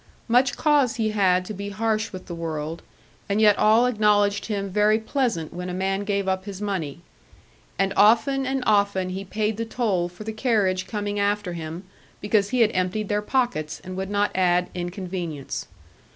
Much cause he had to be harsh with the world; and yet all acknowledged him very pleasant, when a man gave up his money. And often and often he paid the toll for the carriage coming after him, because he had emptied their pockets, and would not add inconvenience.